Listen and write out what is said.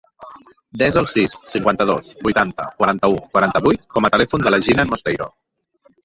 Desa el sis, cinquanta-dos, vuitanta, quaranta-u, quaranta-vuit com a telèfon de la Jinan Mosteiro.